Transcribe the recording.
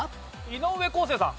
井上康生さん。